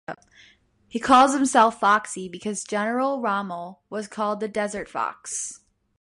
He calls himself Foxy because General Rommel was called the desert fox.